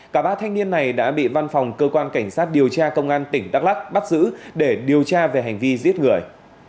cả ba thanh niên này đã bị văn phòng cơ quan cảnh sát điều tra công an tỉnh đắk lắc bắt giữ để điều tra về hành vi giết người